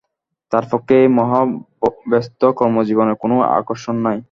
তার পক্ষে এই মহাব্যস্ত কর্মজীবনের কোন আকর্ষণ নাই।